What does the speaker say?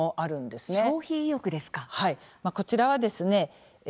こちらはですね